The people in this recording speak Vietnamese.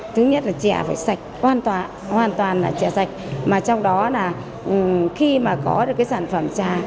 thứ nhất là chè phải sạch hoàn toàn là chè sạch mà trong đó là khi mà có được cái sản phẩm chà